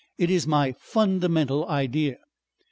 It is my fundamental idea.